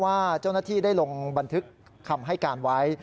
ว่าเจ้าหน้าที่ได้ลงบันทึกคำให้การไว้